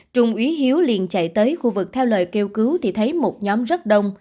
điện chạy tới khu vực theo lời kêu cứu thì thấy một nhóm rất đông